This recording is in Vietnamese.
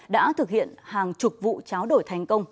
đã thực hiện hàng chục vụ cháo đổi thành công